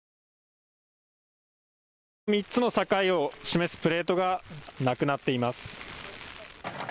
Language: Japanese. ３つの境を示すプレートがなくなっています。